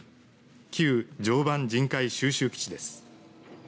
旧常磐塵芥収集基地です。